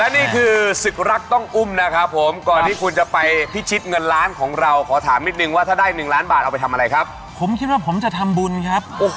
นี่คือศึกรักต้องอุ้มนะครับผมก่อนที่คุณจะไปพิชิตเงินล้านของเราขอถามนิดนึงว่าถ้าได้หนึ่งล้านบาทเอาไปทำอะไรครับผมคิดว่าผมจะทำบุญครับ